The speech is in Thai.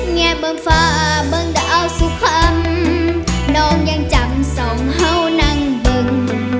แง่เบื้องฟ้าเบื้องดาวสุข่ำน้องยังจำสองเฮ้านั่งเบื้อง